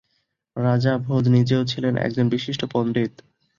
রাজা ভোজ নিজেও ছিলেন এক বিশিষ্ট পণ্ডিত।